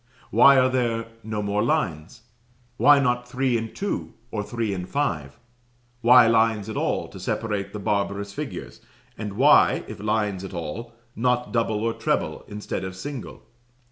Why are there no more lines? Why not three and two, or three and five? Why lines at all to separate the barbarous figures; and why, if lines at all, not double or treble instead of single?